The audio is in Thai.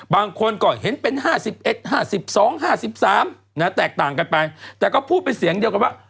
บางคนก็เห็นเป็น๕๑๕๒๕๓แตกต่างกันไปแต่ก็พูดเป็นเสียงเดียวกันว่า